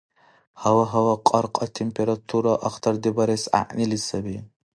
Гьала-гьала кьаркьа температура ахтардибарес гӀягӀнили саби.